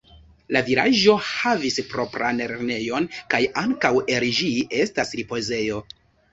La vilaĝo havis propran lernejon, kaj ankaŭ el ĝi estas ripozejo.